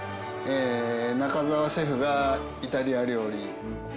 中澤シェフがイタリア料理。